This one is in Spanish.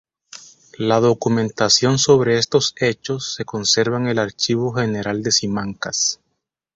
La documentación sobre estos hechos se conserva en el Archivo General de Simancas.